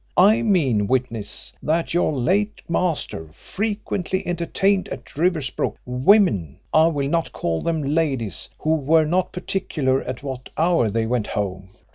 I mean, witness, that your late master frequently entertained at Riversbrook, women I will not call them ladies who were not particular at what hour they went home.